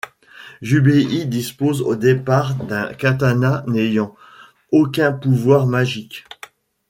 Jubei dispose au départ d'un katana n'ayant aucun pouvoir magique.